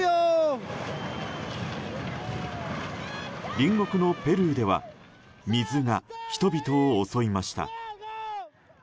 隣国のペルーでは水が人々を襲いました。